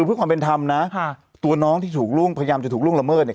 เพื่อความเป็นธรรมนะค่ะตัวน้องที่ถูกล่วงพยายามจะถูกล่วงละเมิดเนี่ย